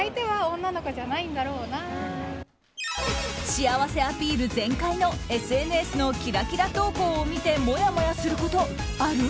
幸せアピール全開のＳＮＳのキラキラ投稿を見てもやもやすること、ある？